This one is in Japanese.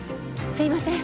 すいません。